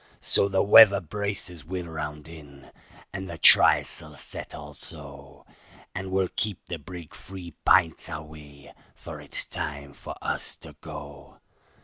So the weather braces we'll round in, and the trys'le set also, And we'll keep the brig three p'ints away, for it's time for us to go."